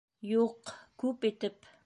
— Юҡ-ҡ, күп итеп.